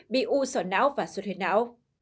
bị ưu sở não và suốt huyệt não